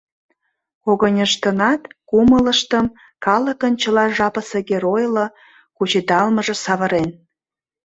Когыньыштынат кумылыштым калыкын чыла жапысе геройло кучедалмыже савырен.